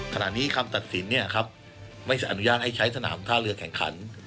ขณะนี้คำตัดสินไม่อนุญาตให้ใช้สนามท่าเรือแข่งขัน